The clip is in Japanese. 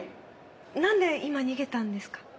なんで今逃げたんですか？